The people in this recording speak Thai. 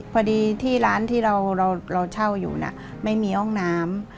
พอดีที่ร้านที่เราเช่าอยู่ไม่มีห้องน้ำ